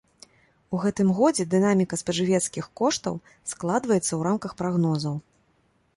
У гэтым годзе дынаміка спажывецкіх коштаў складваецца ў рамках прагнозаў.